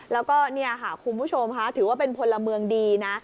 แล้วก็เนี่ยค่ะคุณผู้ชมค่ะถือว่าเป็นพลเมืองดีนะ